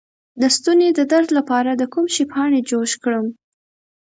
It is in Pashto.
د ستوني د درد لپاره د کوم شي پاڼې جوش کړم؟